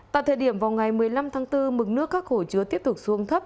tại thời điểm vào ngày một mươi năm tháng bốn mực nước các hồ chứa tiếp tục xuống thấp